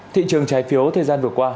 thị trường trái phiếu thời gian vừa qua